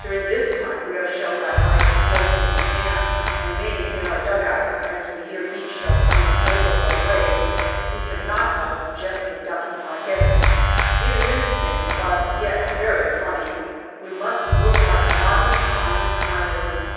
During this time we are shelled by high ex plosives, and remaining in our dugouts, as we hear each shell coming over our way we cannot help gently ducking our heads. It is instinct, but yet very funny. We must look like nodding Chinese idols.